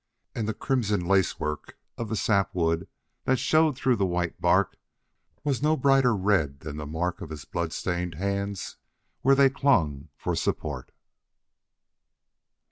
And the crimson lace work of the sap wood that showed through the white bark was no brighter red than the mark of his blood stained hands where they clung for support.